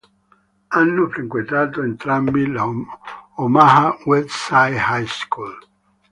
Hanno frequentato entrambi l'Omaha Westside High School.